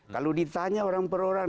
kalau ditanya orang per orang